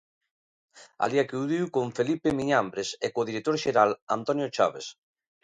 Alí acudiu con Felipe Miñambres e co director xeral, Antonio Chaves.